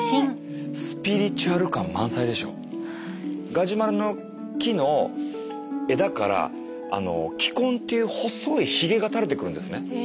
ガジュマルの木の枝から気根っていう細いひげが垂れてくるんですね。